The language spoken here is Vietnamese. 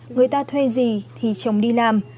người ta thuê gì thì chồng đi làm